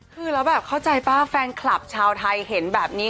คือแล้วแบบเข้าใจป่ะแฟนคลับชาวไทยเห็นแบบนี้